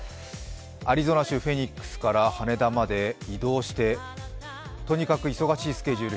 アリゾナ州フェニックスから羽田まで移動して、とにかく忙しいスケジュール。